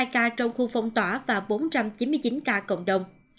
bảy mươi hai ca trong khu phong tỏa và bốn trăm chín mươi chín ca cộng đồng